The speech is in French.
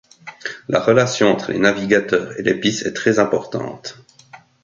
La relation entre les Navigateurs et l’épice est très importante.